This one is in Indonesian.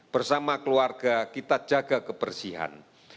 bersama keluarga kita jaga kebersihan